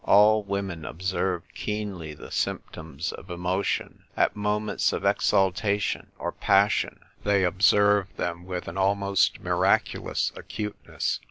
All women observe keenly the symptoms of emotion; at moments of exaltation or passion they observe them with an almost miraculous acuteness.